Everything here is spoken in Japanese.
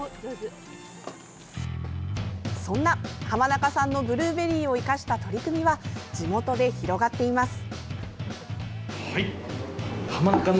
そんな濱中さんのブルーベリーを生かした取り組みは地元で広がっています。